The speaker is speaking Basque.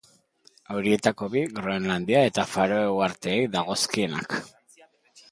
Horietako bi Groenlandia eta Faroe Uharteei dagozkienak.